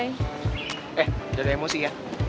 eh jangan emosi ya